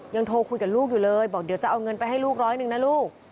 ยังโทรคุยกับลูกอยู่เลยบอกเดี๋ยวจะเอาเงินไปให้ลูกร้อยหนึ่งนะลูก